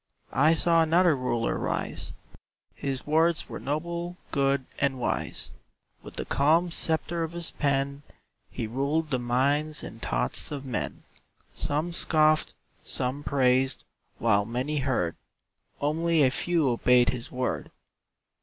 I saw another Ruler rise His words were noble, good, and wise; With the calm sceptre of his pen He ruled the minds and thoughts of men; Some scoffed, some praised while many heard, Only a few obeyed his word.